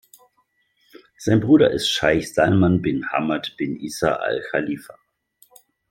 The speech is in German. Sein Bruder ist Scheich Salman bin Hamad bin Isa Al Chalifa.